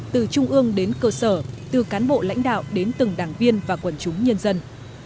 từ trung ương đến cơ sở từ cán bộ lãnh đạo đến từng đảng viên và quần chúng nhân dân